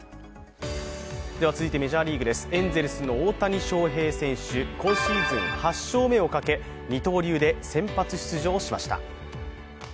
続いてメジャーリーグです、エンゼルスの大谷翔平選手、今シーズン８勝目をかけ二刀流で先発出場しました。